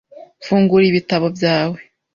Fungura ibitabo byawe .